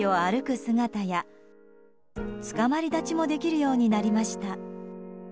姿やつかまり立ちもできるようになりました。